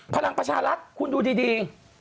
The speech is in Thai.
พลังประชารัฐคุณดูดี